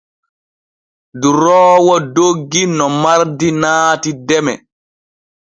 Duroowo doggi no mardi naati deme.